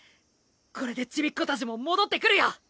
これでちびっ子たちも戻ってくるよ。